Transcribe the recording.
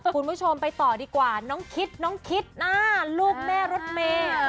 คุณผู้ชมไปต่อดีกว่าน้องคิดน้องคิดนะลูกแม่รถเมย์